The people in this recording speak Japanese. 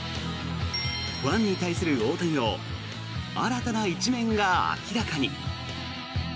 ファンに対する、大谷の新たな一面が明らかに。